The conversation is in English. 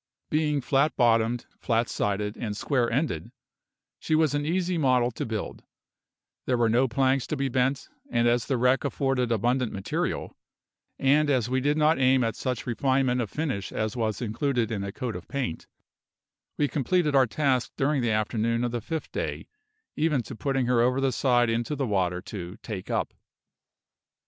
Being flat bottomed, flat sided, and square ended, she was an easy model to build; there were no planks to be bent, and as the wreck afforded abundant material, and as we did not aim at such refinement of finish as was included in a coat of paint, we completed our task during the afternoon of the fifth day, even to putting her over the side into the water to "take up."